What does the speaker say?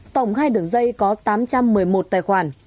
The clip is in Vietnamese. tổng hai đường dây có tám trăm một mươi một tài khoản